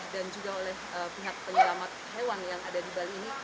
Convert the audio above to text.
juga oleh pihak penyelamat hewan yang ada di bali ini